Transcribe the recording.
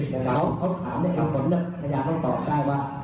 แล้วเขาถามได้กับผมเนี่ยพยายามให้ตอบได้ว่า